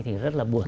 thì rất là buồn